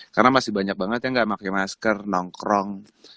karena masih banyak banget yang enggak pakai masker nongkrong